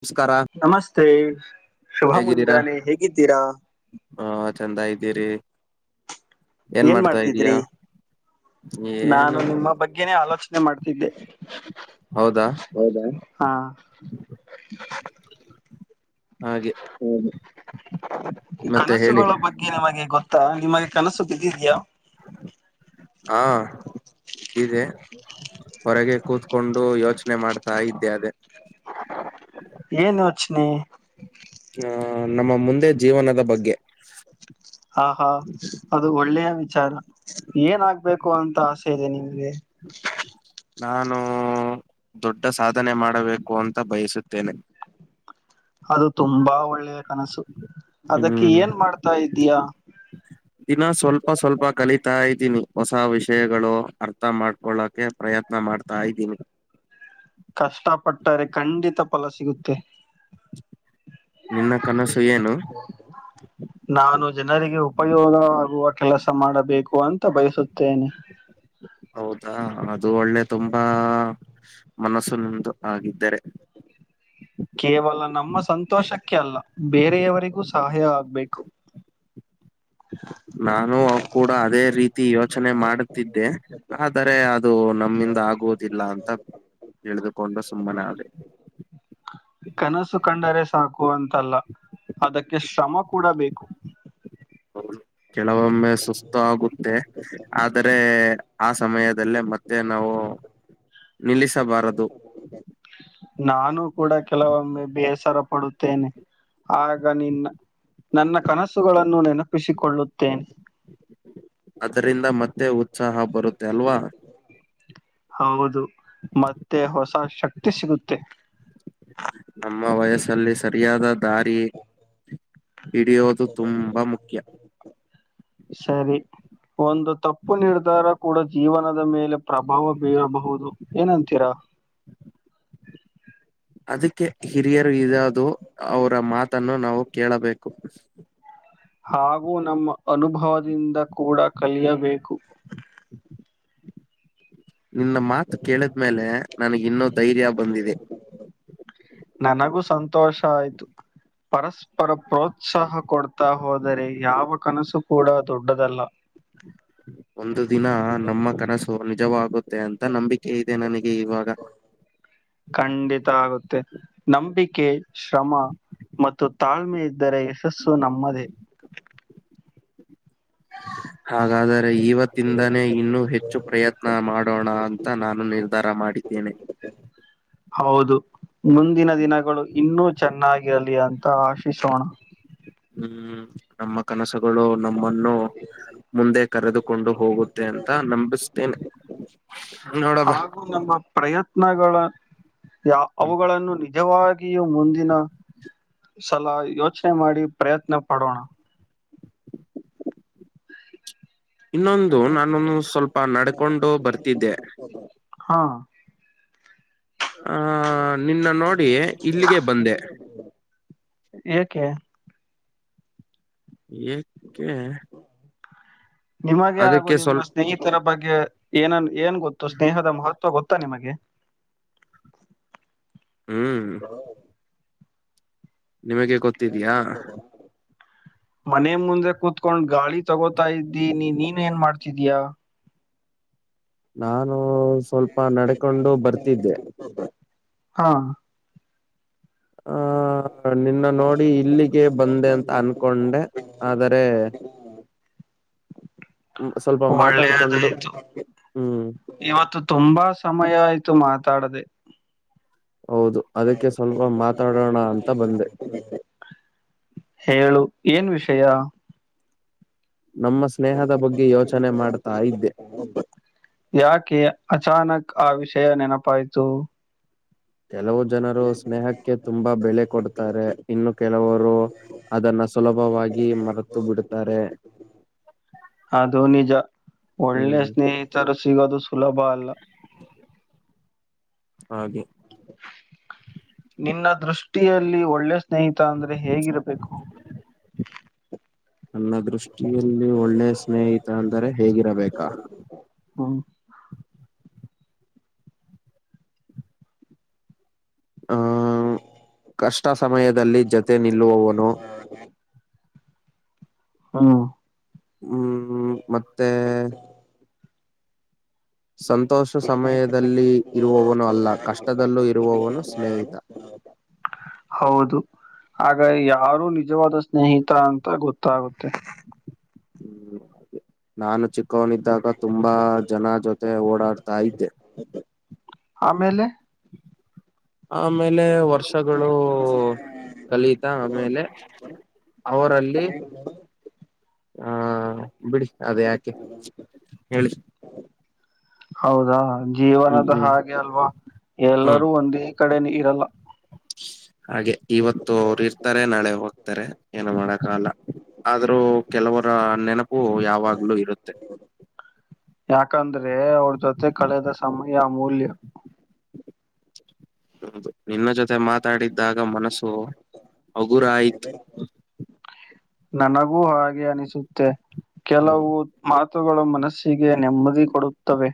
ನಮಸ್ಕಾರ ಮತ್ತೆ ಶುಭ ಮುಂಜಾನೆ ಹೇಗಿದ್ದೀರಾ ಹಾ ಚಂದ ಇದ್ದೀರಿ ಏನ್ ಮಾಡ್ತಾ ಇದಯಾ ನಾನು ನಿಮ್ಮ ಬಗ್ಗೆನೇ ಆಲೋಚನೆ ಮಾಡ್ತಿದ್ದೆ ಹೌದಾ ಹೌದ ಹಾ ಹಾಗೆ ಹೌದು ಮತ್ತೆ ಹೇಳಿ ಕನಸುಗಳ ಬಗ್ಗೆ ನಮಗೆ ಗೊತ್ತಾ ನಿಮಗೆ ಕನಸು ಬಿದ್ದಿದ್ಯಾ ಹಾ ಇದ್ದ ಕೂತ್ಕೊಂಡು ಯೋಚನೆ ಮಾಡ್ತಾ ಇದ್ದೆ ಅದೇ ಏನ್ ಯೋಚನೆ ಹ ನಮ್ಮ ಮುಂದೆ ಜೀವನದ ಬಗ್ಗೆ ಹ ಹಾ ಅದು ಒಳ್ಳೆಯ ವಿಚಾರ ಏನ್ ಆಗ್ಬೇಕು ಅಂತ ಆಸೆ ಇದೆ ನಿಮ್ಗೆ ನಾನು ದೊಡ್ಡ ಸಾಧನೆ ಮಾಡಬೇಕು ಅಂತ ಬಯಸುತ್ತೇನೆ ಅದು ತುಂಬಾ ಒಳ್ಳೆಯ ಕನಸು ಅದಕ್ಕೆ ಹ್ಮ್ ಏನ್ ಮಾಡ್ತಾ ಇದಯ ದಿನ ಸ್ವಲ್ಪ ಸ್ವಲ್ಪ ಕಲಿತಾ ಇದ್ದೀನಿ ಹೊಸ ವಿಷಯಗಳು ಅರ್ಥ ಮಾಡ್ಕೊಳ್ಳಕೆ ಪ್ರಯತ್ನ ಮಾಡ್ತಾ ಇದ್ದೀನಿ ಕಷ್ಟಪಟ್ಟರೆ ಖಂಡಿತ ಫಲ ಸಿಗುತ್ತೆ ನಿನ್ನ ಕನಸು ಏನು ನಾನು ಜನರಿಗೆ ಉಪಯೋಗ ಆಗುವ ಕೆಲಸ ಮಾಡಬೇಕು ಅಂತ ಬಯಸುತ್ತೇನೆ ಹೌದಾ ಅದು ಒಳ್ಳೆ ತುಂಬಾ ಮನಸ್ಸು ನಿಂದು ಆಗಿದ್ದರೆ ಕೇವಲ ನಮ್ಮ ಸಂತೋಷಕ್ಕೆ ಅಲ್ಲ ಬೇರೆಯವರಿಗೂ ಸಹಾಯ ಆಗ್ಬೇಕು ಹ ನಾನು ಅವ ಕೂಡ ಅದೇ ರೀತಿ ಯೋಚನೆ ಮಾಡುತ್ತಿದ್ದೆ ಆದರೆ ಅದು ನಮ್ಮಿಂದ ಆಗುವುದಿಲ್ಲ ಅಂತ ತಿಳಿದುಕೊಂಡ ಸುಮ್ಮನಾಲೆ ಕನಸು ಕಂಡರೆ ಸಾಕು ಅಂತ ಲ್ಲ ಅದಕ್ಕೆ ಶ್ರಮ ಕೂಡ ಬೇಕು ಕೆಲವೊಮ್ಮೆ ಸುಸ್ತು ಆಗುತ್ತೆ ಆದರೆ ಆ ಸಮಯದಲ್ಲೇ ಮತ್ತೆ ನಾವು ನಿಲ್ಲಿಸಬಾರದು. ನಾನು ಕೂಡ ಕೆಲವೊಮ್ಮೆ ಬೇಸರ ಪಡುತ್ತೇನೆ. ಆಗ ನಿನ್ನ ನನ್ನ ಕನಸುಗಳನ್ನು ನೆನಪಿಸಿಕೊಳ್ಳುತ್ತೇನೆ. ಅದರಿಂದ ಮತ್ತೆ ಉತ್ಸಾಹ ಬರುತ್ತೆ ಅಲ್ವಾ ಹೌದು ಮತ್ತೆ ಹೊಸ ಶಕ್ತಿ ಸಿಗುತ್ತೆ ನಮ್ಮ ವಯಸ್ಸಲ್ಲಿ ಸರಿಯಾದ ದಾರಿ ಹಿಡಿಯೋದು ತುಂಬಾ ಮುಖ್ಯ [inaudible] ಸರಿ ಒಂದು ತಪ್ಪು ನೀಡಿದಾರ ಕೂಡ ಜೀವನದ ಮೇಲೆ ಪ್ರಭಾವ ಬೀರಬಹುದು ಏನಂತೀರಾ [inaudible] ಅದಕ್ಕೆ ಹಿರಿಯರು ಇರದು ಅವರ ಮಾತನ್ನು ನಾವು ಕೇಳಬೇಕು. ಕಪ್ಪಸ್ ಹಾಗೂ ನಮ್ಮ ಅನುಭವದಿಂದ ಕೂಡ ಕಲಿಯಬೇಕು. ನಿನ್ನ ಮಾತು ಕೇಳಿದ್ಮೇಲೆ ನನಗೆ ಇನ್ನೂ ಧೈರ್ಯ ಬಂದಿದೆ. ನನಗೂ ಸಂತೋಷ ಆಯ್ತು. ಪರಸ್ಪರ ಪ್ರೋತ್ಸಾಹ ಕೊಡ್ತಾ ಹೋದರೆ ಯಾವ ಕನಸು ಕೂಡ ದೊಡ್ಡದಲ್ಲ. ನಿಜವ ಆಗುತ್ತೆ ಅಂತ ನಂಬಿಕೆ ಇದೆ ನನಗೆ ಇವಾಗ. ಖಂಡಿತ ಆಗುತ್ತೆ ನಂಬಿಕೆ ಶ್ರಮ ಮತ್ತು ತಾಳ್ಮೆ ಇದ್ದರೆ ಯಶಸ್ಸು ನಮ್ಮದೇ. [inaudible] ಹಾಗಾದರೆ ಇವತ್ತಿಂದಾನೇ ಇನ್ನ ಹೆಚ್ಚು ಪ್ರಯತ್ನ ಮಾಡೋಣ ಅಂತ ನಾನು ನಿರ್ಧಾರ ಮಾಡಿ ಏನೆ ಹೌದು ಮುಂದಿನ ದಿನಗಳು ಇನ್ನೂ ಚೆನ್ನಾಗಿ ಇರಲಿ ಅಂತ ಆಶಿಸೋಣ. ಹ್ಮ್ ನಮ್ಮ ಕನಸುಗಳು ನಮ್ಮನ್ನು ಮುಂದೆ ಕರೆದುಕೊಂಡು ಹೋಗುದು ದೆ ಅಂತ ನಂಬಿಸ್ತೇನೆ. ನೋಡದ ಹಾಗು ನಮ್ಮ ಪ್ರಯತ್ನಗಳ ಯ ಅವುಗಳನ್ನು ನಿಜವಾಗಿ ಹಾಗ ಮುಂದಿನ ಸಲ ಯೋಚನೆ ಮಾಡಿ ಪ್ರಯತ್ನ ಪಡೋಣ. ಇನ್ನೊಂದು ನಾನೊಂದು ಸ್ವಲ್ಪ ನಡ್ಕೊಂಡು ಬರ್ತಿದ್ದೆ. ಹಾ ಆ ನಿನ್ನ ನೋಡಿ ಇಲ್ಲಿಗೆ ಬಂದೆ. ಏಕೆ ಏಕೆ ನಿಮಗೆ ಹಾಗು ಅದಕ್ಕೆ ನಿಮ್ಮ ಸ್ವಲ್ಪ ಸ್ನೇಹಿತರ ಬಗ್ಗೆ ಏನನ್ ಏನ್ ಗೊತ್ತು ಸ್ನೇಹದ ಮಹತ್ವ ಗೊತ್ತಾ ನಿಮಗೆ. [inaudible] ಹ್ಮ್ ನಿಮಗೆ ಗೊತ್ತಿದೆಯಾ [inaudible] ಮನೆ ಮುಂದೆ ಕುತ್ಕೊಂಡ್ ಗಾಳಿ ತಗೋತಾ ಇದ್ದೀನೀ ನೀನ್ ಏನ್ ಮಾಡ್ತಿದೀಯಾ. ನಾನು ಸ್ವಲ್ಪ ನಡ್ಕೊಂಡು ಬರ್ತಿದ್ದೆ. ಹಾ ಹ ನಿನ್ನ ನೋಡಿ ಇಲ್ಲಿಗೆ ಬಂದೆ ಅಂತ ಅನ್ಕೊಂಡೆ ಆದರೆ ಸ್ವಲ್ಪ ಮಾತಾಡ್ಕೊಂಡು ಒಳ್ಳೆಯದಾಯ್ತು. ಹ್ಮ್ ಇವತ್ತು ತುಂಬಾ ಸಮಯ ಆಯ್ತು ಮಾತಾಡದೆ. ಹೌದು ಅದಕ್ಕೆ ಸ್ವಲ್ಪ ಮಾತಾಡೋಣ ಅಂತ ಬಂದೆ. ಹೇಳು ಏನ್ ವಿಷಯ ನಮ್ಮ ಸ್ನೇಹದ ಬಗ್ಗೆ ಯೋಚನೆ ಮಾಡ್ತಾ ಇದ್ದೆ ಯಾಕೆ ಅಚಾನಕ್ ಆ ವಿಷಯ ನೆನಪಾಯಿತು ಕೆಲವು ಜನರು ಸ್ನೇಹಕ್ಕೆ ತುಂಬಾ ಬೆಲೆ ಕೊಡ್ತಾರೆ ಇನ್ನು ಕೆಲವರು ಅದನ್ನ ಸುಲಭವಾಗಿ ಮರೆತು ಬಿಡತ್ತಾರೆ ಅದು ನಿಜ ಒಳ್ಳೆ ಹ್ಮ್ ಸ್ನೇಹಿತರು ಸಿಗೋದು ಸುಲಭ ಅಲ್ಲ ಹಾಗೆ ನಿನ್ನ ದೃಷ್ಟಿಯಲ್ಲಿ ಒಳ್ಳೆ ಸ್ನೇಹಿತ ಅಂದ್ರೆ ಹೇಗಿರ್ಬೇಕು ನನ್ನ ದೃಷ್ಟಿಯಲ್ಲಿ ಒಳ್ಳೆ ಸ್ನೇಹಿತ ಅಂದರೆ ಹೇಗಿರಬೇಕಾ ಹ್ಮ ಆಹ ಕಷ್ಟ ಸಮಯದಲ್ಲಿ ಜತೆ ನಿಲ್ಲುವವನು ಹಾ ಹ್ಮ್ ಮತ್ತೆ ಸಂತೋಷ [inaudible] ಸಮಯದಲ್ಲಿ ಇರುವವನು ಅಲ್ಲ ಕಷ್ಟದಲ್ಲೂ ಇರುವವನು ಸ್ನೇಹಿತ ಹೌದು ಆಗ ಯಾರು ನಿಜವಾದ ಸ್ನೇಹಿತ ಅಂತ ಗೊತ್ತಾಗುತ್ತೆ ಹ್ಮ್ ಹಾಗೆ ನಾನು ಚಿಕ್ಕವನಿದ್ದಾಗ ತುಂಬಾ ಜನ ಜೊತೆ ಓಡಾಡ್ತಾ ಇದ್ದೆ ಆಮೇಲೆ ಆಮೇಲೆ ವರ್ಷಗಳು ಕಲಿತ ಆಮೇಲೆ ಅವರಲ್ಲಿ [inaudible] ಹಾ ಬಿಡಿ ಅದು ಯಾಕೆ ಹೇಳಿ ಹೌದಾ ಹ್ಮ್ ಜೀವನದ ಹ್ಮ್ ಹಾಗೆ ಅಲ್ವಾ ಹ್ಮ್ ಎಲ್ಲರೂ ಒಂದೇ ಕಡೆನ ಇರಲ್ಲ ಹಾಗೆ ಇವತ್ತು ಅವರು ಇರ್ತಾರೆ ನಾಳೆ ಹೋಗ್ತಾರೆ ಏನು ಮಾಡಕ ಅಲ್ಲ ಆದ್ರೂ ಕೆಲವರು ರ ನೆನಪು ಯಾವಾಗ್ಲೂ ಇರುತ್ತೆ ಯಾಕಂದ್ರೆ ಅವ್ರ ಜೊತೆ ಕಳೆದ ಸಮಯ ಮೂಲ್ಯ ಹೌದು ನಿನ್ನ ಜೊತೆ ಮಾತಾಡಿದ್ದಾಗ ಮನಸ್ಸು ಅಗುರಾಯಿತು ನನಗೂ ಹಾಗೆ ಅನಿಸುತ್ತೆ ಹ್ಮ್ ಕೆಲವು ಮಾತುಗಳು ಮನಸ್ಸಿಗೆ ನೆಮ್ಮದಿ ಕೊಡುತ್ತವೆ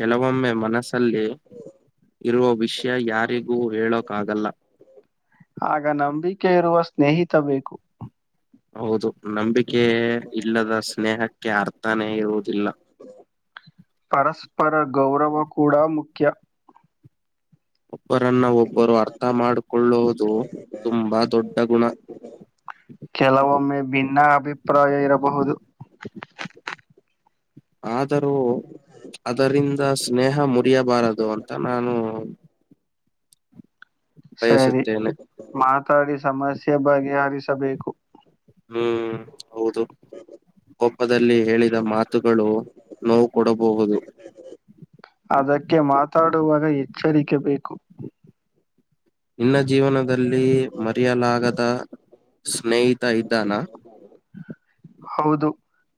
ಕೆಲವೊಮ್ಮೆ ಮನಸ್ಸಲ್ಲಿ ಇರುವ ವಿಷಯ ಯಾರಿಗೂ ಹೇಳೋಕ್ಕಾಗಲ್ಲ ಆಗ ನಂಬಿಕೆ ಇರುವ ಸ್ನೇಹಿತ ಬೇಕು ಹೌದು ನಂಬಿಕೆ ಇಲ್ಲದ ಸ್ನೇಹಕ್ಕೆ ಅರ್ಥನೇ ಇರುವುದಿಲ್ಲ ಪರಸ್ಪರ ಗೌರವ ಕೂಡ ಮುಖ್ಯ ಒಬ್ಬರನ್ನ ಒಬ್ಬರು ಅರ್ಥ ಮಾಡಕೊಳ್ಳುವುದು ತುಂಬಾ ದೊಡ್ಡ ಗುಣ ಕೆಲವೊಮ್ಮೆ ಭಿನ್ನ ಅಭಿಪ್ರಾಯ ಇರಬಹುದು ಆದರೂ ಅದರಿಂದ ಸ್ನೇಹ ಮುರಿಯಬಾರದು ಅಂತ ನಾನು ಸರಿ ಬಯಸುತ್ತೇನೆ ಮಾತಾಡಿ ಸಮಸ್ಯೆ ಬಗೆಹರಿಸಬೇಕು ಹ್ಮ್ ಹೌದು ಕೋಪದಲ್ಲಿ ಹೇಳಿದ ಮಾತುಗಳು ನೋವು ಕೊಡಬಹುದು ಅದಕ್ಕೆ ಮಾತಾಡುವಾಗ ಎಚ್ಚರಿಕೆ ಬೇಕು ನಿನ್ನ ಜೀವನದಲ್ಲಿ ಮರೆಯಲಾಗದ ಸ್ನೇಹಿತ ಇದ್ದಾನ ಹೌದು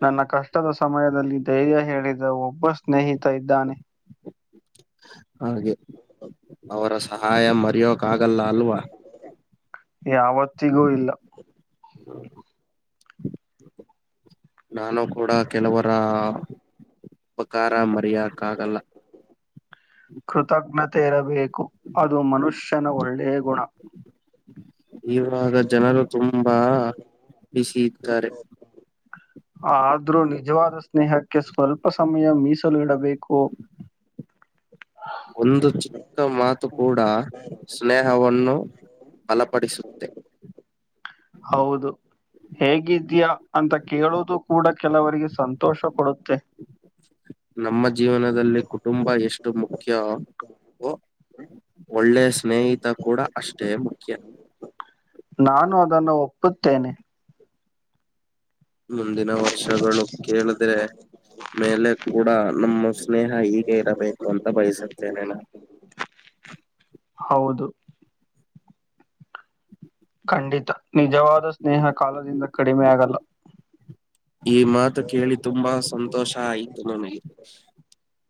ನನ್ನ ಕಷ್ಟದ ಸಮಯದಲ್ಲಿ ಧೈರ್ಯ ಹೇಳಿದ ಒಬ್ಬ ಸ್ನೇಹಿತ ಇದ್ದಾನೆ ಹಾಗೆ ಅವರ ಸಹಾಯ ಮರೆಯೋಕ ಆಗಲ್ಲ ಅಲ್ವಾ ಯಾವತ್ತಿಗೂ ಇಲ್ಲ ಹ್ಮ ನಾನು ಕೂಡ ಕೆಲವರ ಉಪಕಾರ ಮರೆಯೋಕ್ಕಾಗಲ್ಲ ಕೃತಜ್ಞತೆ ಇರಬೇಕು ಅದು ಮನುಷ್ಯನ ಒಳ್ಳೆಯ ಗುಣ ಇವಾಗ ಜನರು ತುಂಬಾ ಬಿಸಿ ಇದ್ದಾರೆ ಹ ಆದ್ರೂ ನಿಜವಾದ ಸ್ನೇಹಕ್ಕೆ ಸ್ವಲ್ಪ ಸಮಯ ಮೀಸಲು ಇಡಬೇಕು [unintelligible] ಒಂದು ಚಿಕ್ಕ ಮಾತು ಕೂಡ ಸ್ನೇಹವನ್ನು ಬಲಪಡಿಸುತ್ತೆ ಹೌದು ಹೇಗಿದ್ಯಾ ಅಂತ ಕೇಳೋುದು ಕೂಡ ಕೆಲವರಿಗೆ ಸಂತೋಷ ಕೊಡುತ್ತೆ ನಮ್ಮ ಜೀವನದಲ್ಲಿ ಕುಟುಂಬ ಎಷ್ಟು ಮುಖ್ಯ ಓ ಒಳ್ಳೆ ಸ್ನೇಹಿತ ಕೂಡ ಅಷ್ಟೇ ಮುಖ್ಯ ನಾನು ಅದನ್ನು ಒಪ್ಪುತ್ತೇನೆ ಮುಂದಿನ ವರ್ಷಗಳು ಕೇಳಿದ್ರೆ ಮೇಲೆ ಕೂಡ ನಮ್ಮ ಸ್ನೇಹ ಹೀಗೆ ಇರಬೇಕು ಅಂತ ಬಯಸುತ್ತೇನೆ ನಾು ಹೌದು ಖಂಡಿತ ನಿಜವಾದ ಸ್ನೇಹ ಕಾಲದಿಂದ ಕಡಿಮೆ ಆಗಲ್ಲ ಈ ಮಾತು ಕೇಳಿ ತುಂಬಾ ಸಂತೋಷ ಆಯ್ತು ನನಗೆ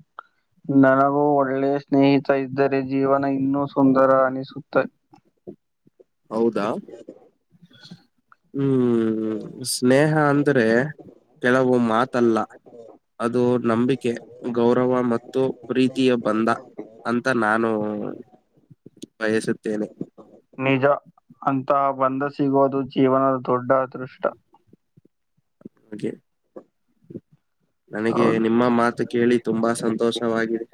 [unintelligible] ನನಗೂ ಒಳ್ಳೆಯ ಸ್ನೇಹಿತ ಇದ್ದರೆ ಜೀವನ ಇನ್ನೂ ಸುಂದರ ಅನಿಸುತ್ತೆ ಹದು ಹೌದಾ ಹ್ಮ್ ಸ್ನೇಹ ಅಂದ್ರೆ ಕೆಲವು ಮಾತಲ್ಲ ಅದು ನಂಬಿಕೆ ಗೌರವ ಮತ್ತು ಪ್ರೀತಿಯ ಬಂಧ ಅಂತ ನಾನು ಬಯಸುತ್ತೇನೆ ನಿಜ ಅಂತಹ ಬಂದ ಸಿಗೋದು ಜೀವನದ ದೊಡ್ಡ ಅದೃಷ್ಟ ಹೆ ನನಗೆ ಹೌದು ನಿಮ್ಮ ಮಾತು ಕೇಳಿ ತುಂಬಾ ಸಂತೋಷವಾಗಿದೆ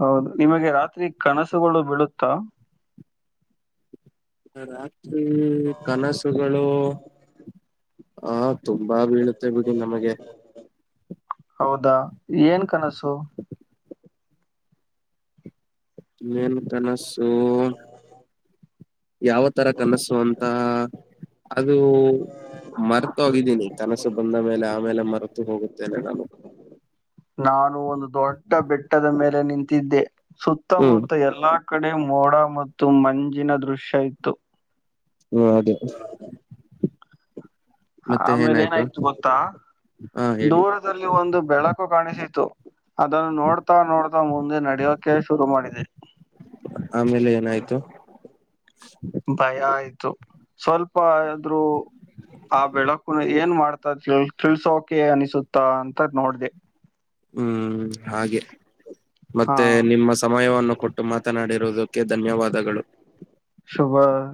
ಹೌದು ನಿಮಗೆ ರಾತ್ರಿ ಕನಸುಗಳು ಬೀಳುತ್ತಾ ರಾತ್ರಿ ಕನಸುಗಳು ಹಾ ತುಂಬಾ ಬೀಳುತ್ತೆ ಬಿಡಿ ನಮಗೆ ಹೌದಾ ಏನ್ ಕನಸು ಮತ ಸ ಯಾವ ತರ ಕನಸು ಅಂತ ಅದು ಮರ್ತ ಹೋಗಿದ್ದ ನಿ ಕನಸು ಬಂದ ಮೇಲೆ ಆಮೇಲೆ ಮರೆತು ಹೋಗುತ್ತೇನೆ ನಾನು ನಾನು ಒಂದು ದೊಡ್ಡ ಬೆಟ್ಟದ ಮೇಲೆ ನಿಂತಿದ್ದೆ ಹ್ಮ್ ಸುತ್ತಮುತ್ತ ಎಲ್ಲಾ ಕಡೆ ಮೋಡ ಮತ್ತು ಮಂಜಿನ ದೃಶ್ಯ ಇತ್ತು ಹ್ಮ ಅದೇ ಆಮೇಲೆ ಏನಾಯ್ತು ಗೊತ್ತಾ ಹಾ ಹೇಳಿ ದೂರದಲ್ಲಿ ಒಂದು ಬೆಳಕು ಕಾಣಿಸತತ್ತು ಅದನ್ನು ನೋಡ್ತಾ ನೋಡ್ತಾ ಮುಂದಿನ ನಡಿಯೋಕೆ ಶುರು ಮಾಡಿದೆ ಆಮೇಲೆ ಏನಾಯ್ತು ಭಯ ಆಯ್ತು ಸ್ವಲ್ಪ ಆದ್ರೂ ಆ ಬೆಳಕುನ ಏನ್ ಮಾಡ ತಿ ತಿಳ್ಸೋಕೆ ಅನಿಸುತ್ತಾ ಅಂತ ನೋಡ್ದ ಹ್ಮ್ ಹಾಗೆ ಹಾ ಮತ್ತೆ ನಿಮ್ಮ ಸಮಯವನ್ನು ಕೊಟ್ಟು ಮಾತನಾಡಿರುವುದಕ್ಕೆ ಧನ್ಯವಾದಗಳು ಶುಭ